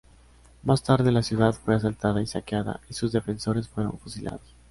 Más tarde la ciudad fue asaltada y saqueada y sus defensores fueron fusilados.